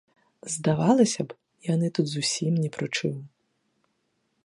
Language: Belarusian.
Здавалася б, яны тут зусім не пры чым.